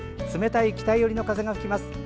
冷たい北寄りの風が吹きます。